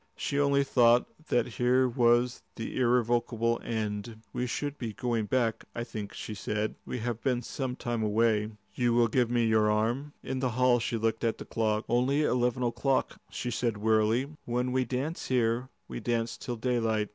She only thought that here was the irrevocable end. "We should be going back, I think," she said. "We have been some time away. Will you give me your arm?" In the hall she looked at the clock. "Only eleven o'clock," she said wearily. "When we dance here, we dance till daylight.